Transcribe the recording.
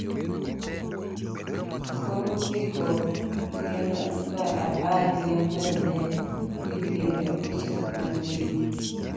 korowikoginambaapar gi ang'wen e wi piero abich ok en wiko